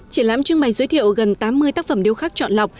triển lãm trưng bày giới thiệu gần tám mươi tác phẩm điêu khắc chọn lọc